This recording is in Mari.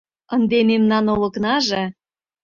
Ынде мемнан олыкнаже